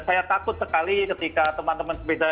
saya takut sekali ketika teman teman sepeda